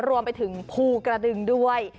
รวมไปถึงภูกระดึงด้วย